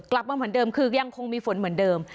กลับมาเหมือนเดิมคือยังคงมีฝนเหมือนเดิม